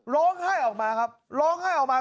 ร้องไห้ออกมาครับร้องไห้ออกมา